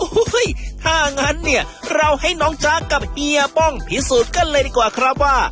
ถ้างั้นเนี่ยเราให้น้องจ๊ะกับเฮียป้องพิสูจน์กันเลยดีกว่าครับว่า